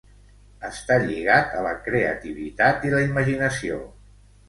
Està lligat a la creativitat i la imaginació.